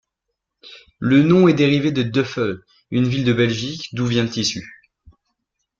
Le nom est dérivé de Duffel, une ville de Belgique d'où vient le tissu.